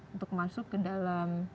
untuk masuk ke dalam